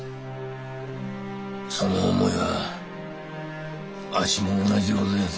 その思いはあっしも同じでございやす。